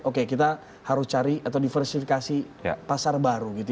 oke kita harus cari atau diversifikasi pasar baru gitu